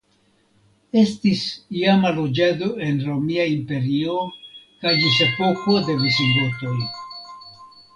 Estis iama loĝado en Romia Imperio kaj ĝis epoko de visigotoj.